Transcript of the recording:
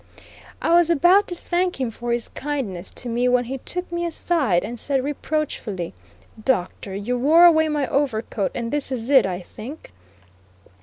I was about to thank him for his kindness to me when he took me aside and said reproachfully: "Doctor, you wore away my overcoat and this is it, I think."